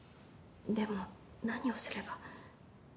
でも何をすれば？